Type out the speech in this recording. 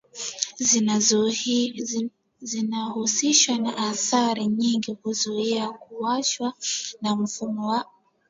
zinahusishwa na athari nyingi kuanzia kuwashwa na mfumo wa